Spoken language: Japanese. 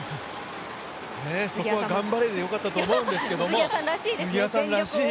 そこは頑張れでよかったと思うんですけど杉谷さんらしい。